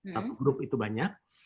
satu grup itu banyak